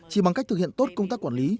chỉ bằng cách thực hiện tốt công tác quản lý